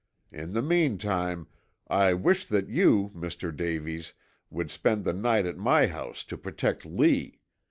In the meantime, I wish that you, Mr. Davies, would spend the night at my house to protect Lee.